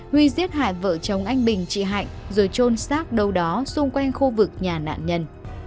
huy giết hại vợ chồng anh bình chị hạnh rồi trôn xác đâu đó xung quanh khu vực nhà nạn nhân